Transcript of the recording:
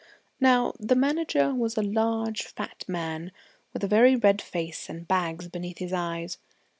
Now the Manager was a large, fat man, with a very red face and bags beneath his eyes.